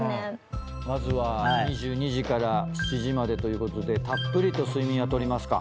まずは２２時から７時までということでたっぷりと睡眠は取りますか。